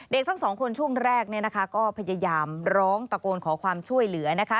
ทั้งสองคนช่วงแรกเนี่ยนะคะก็พยายามร้องตะโกนขอความช่วยเหลือนะคะ